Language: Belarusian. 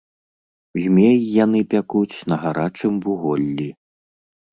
Змей яны пякуць на гарачым вуголлі.